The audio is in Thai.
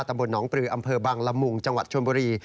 ตำบลหนองปลืออำเภอบังละมุงจังหวัดชนบุรี